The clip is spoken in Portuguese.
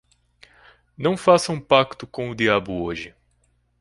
Não faça um pacto com o diabo hoje